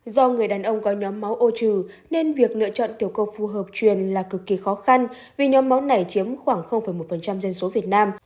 do người đàn ông có nhóm máu ô trừ nên việc lựa chọn tiểu cầu phù hợp truyền là cực kỳ khó khăn vì nhóm máu này chiếm khoảng một dân số việt nam